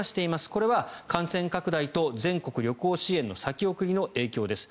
これは感染拡大と全国旅行支援の先送りの影響です。